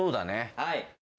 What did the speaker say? はい。